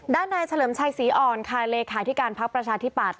ด้านนายเฉลิมชัยศรีอ่อนคายเลขาที่การพักประชาธิบัติ